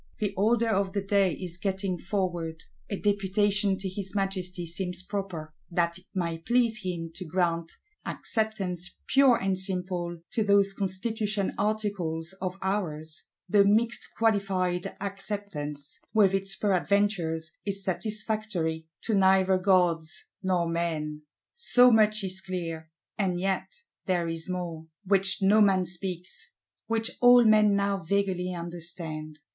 The order of the day is getting forward: a Deputation to his Majesty seems proper, that it might please him to grant "Acceptance pure and simple" to those Constitution Articles of ours; the "mixed qualified Acceptance," with its peradventures, is satisfactory to neither gods nor men. So much is clear. And yet there is more, which no man speaks, which all men now vaguely understand.